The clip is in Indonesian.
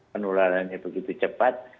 penularannya begitu cepat